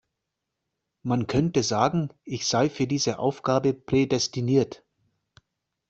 Man könnte sagen, ich sei für diese Aufgabe prädestiniert.